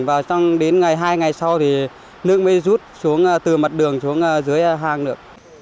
và trong đến ngày hai ngày sau thì nước mới rút xuống từ mặt đường xuống dưới hàng nữa